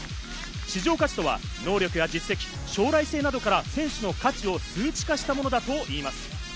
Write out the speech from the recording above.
市場価値とは能力や実績、将来性などから選手の価値を数値化したものだといいます。